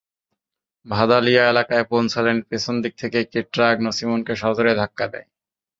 ভাদালিয়া এলাকায় পৌঁছালে পেছন দিক থেকে একটি ট্রাক নছিমনকে সজোরে ধাক্কা দেয়।